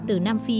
từ nam phi